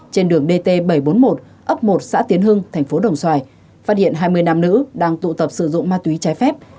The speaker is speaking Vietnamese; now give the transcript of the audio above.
trên đường dt bảy trăm bốn mươi một ấp một xã tiến hưng thành phố đồng xoài phát hiện hai mươi nam nữ đang tụ tập sử dụng ma túy trái phép